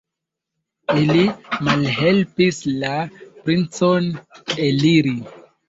Ili malhelpis la princon eliri.